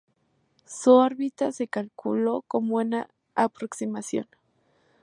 Su órbita se calculó con buena aproximación.